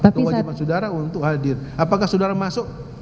kewajiban sudara untuk hadir apakah sudara masuk